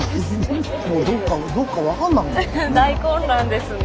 もうどこか分かんなくなるよね。